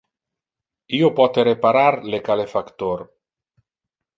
Io pote reparar le calefactor.